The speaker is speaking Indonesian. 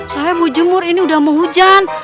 saya mau jemur ini udah mau hujan